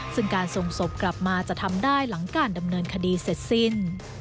ซึ่งการส่งศพกลับมาจะทำได้หลังการดำเนินคดีเสร็จสิ้น